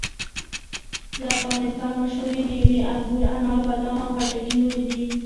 د افغانستان مشهورې مېوې انګور، انار، بادام، خټکي او نورې دي.